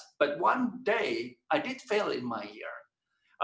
tetapi suatu hari saya melakukan kegagalan dalam tahun saya